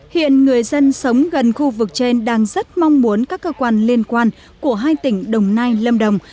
hiện người dân sống gần khu vực trên đang rất mong muốn các cơ quan liên quan của hai tỉnh đồng nai lâm đồng